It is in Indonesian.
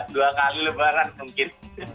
dua kali lebaran mungkin